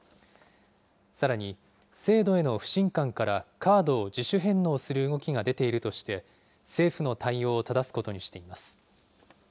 さらに、制度への不信感からカードを自主返納する動きが出ているとして、政府の対応をただすことにしています。